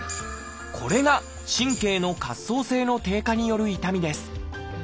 これが神経の滑走性の低下による痛みです。